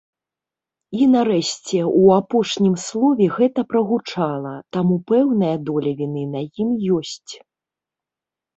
І, нарэшце, у апошнім слове гэта прагучала, таму пэўная доля віны на ім ёсць.